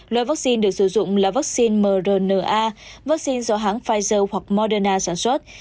loại vaccine được sử dụng là vaccine mrna vaccine do hãng pfizer hoặc moderna sản xuất